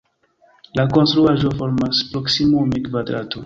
La konstruaĵo formas proksimume kvadrato.